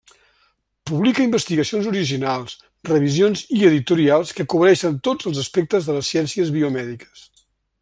Publica investigacions originals, revisions i editorials que cobreixen tots els aspectes de les ciències biomèdiques.